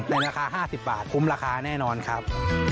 ในราคาห้าสิบบาทคุ้มราคาแน่นอนครับ